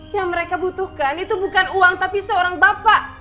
yang mereka butuhkan itu bukan uang tapi seorang bapak